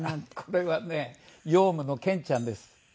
これはねヨウムのケンちゃんです。